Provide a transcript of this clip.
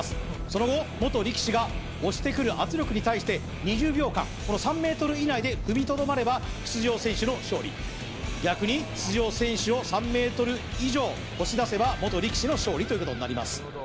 その後元力士が押してくる圧力に対して２０秒間３ｍ以内で踏みとどまれば出場選手の勝利逆に出場選手を３ｍ以上押し出せば元力士の勝利ということになります